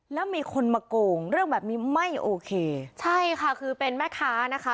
แล้วมีคนมาโกงเรื่องแบบนี้ไม่โอเคใช่ค่ะคือเป็นแม่ค้านะคะ